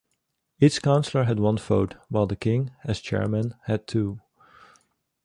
Each councillor had one vote, while the king, as chairman, had two.